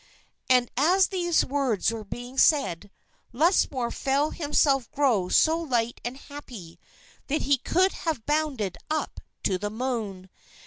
_" And as these words were being said, Lusmore felt himself grow so light and happy, that he could have bounded up to the moon.